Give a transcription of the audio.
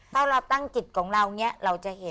เมื่อเราตั้งจิตของเรานี้เราจะเห็น